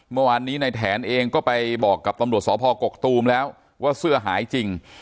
เมื่อวานนี้ในแถนเองก็ไปบอกกับตำรวจสพกกตูมแล้วว่าเสื้อหายจริง